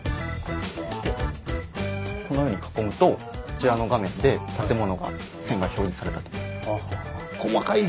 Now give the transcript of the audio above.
このように囲むとこちらの画面で建物が線が表示されたと。